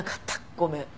ごめん。